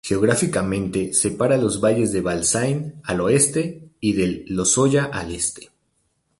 Geográficamente separa los valles de Valsaín, al oeste, y del Lozoya, al este.